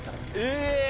え！